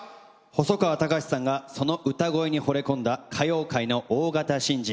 細川たかしさんがその歌声にほれ込んだ歌謡界の大型新人。